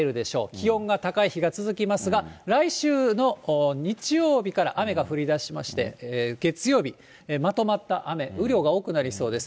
気温が高い日が続きますが、来週の日曜日から雨が降りだしまして、月曜日、まとまった雨、雨量が多くなりそうです。